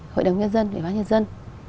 hội đồng nhân dân hội bán nhân dân